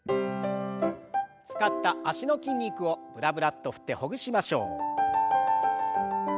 使った脚の筋肉をブラブラッと振ってほぐしましょう。